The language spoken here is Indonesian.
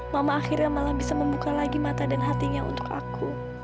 mama akhirnya malah bisa membuka lagi mata dan hatinya untuk aku